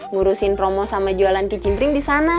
ngurusin promo sama jualan kicimpring